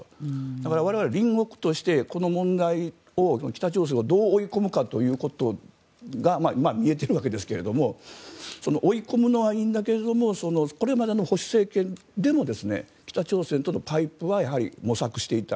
我々、隣国としてこの問題を北朝鮮をどう追い込むかが見えてるわけですが追い込むのはいいんだけどこれまでの保守政権での北朝鮮とのパイプはやはり模索していた。